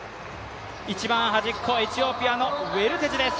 一番端っこ、エチオピアのウェルテジです。